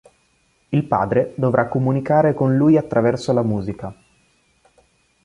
Il padre dovrà comunicare con lui attraverso la musica.